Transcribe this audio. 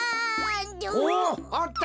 おおっあったぞ！